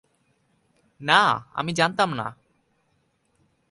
না, আমি জানতাম না।